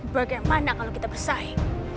bagaimana kalau kita bersaing